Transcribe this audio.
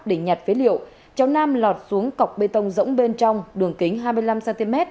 để nhặt phế liệu cháu nam lọt xuống cọc bê tông rỗng bên trong đường kính hai mươi năm cm